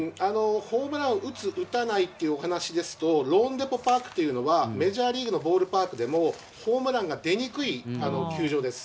ホームランを打つ打たないっていうお話ですと、ローンデポ・パークというのはボールパークでも、ホームランが出にくい球場です。